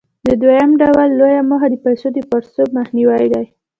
د دویم ډول لویه موخه د پیسو د پړسوب مخنیوى دی.